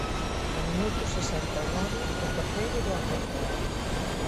No minuto sesenta e nove, o terceiro do Alcorcón.